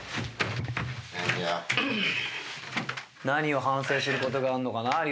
何を反省することがあるのかな？